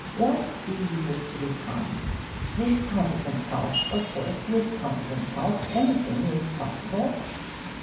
What do you wish to become? With competent help of course, with competent help anything is possible.'